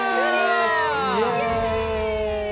イエイ！